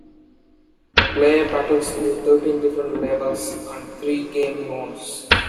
The player battles through thirteen different levels and three game modes.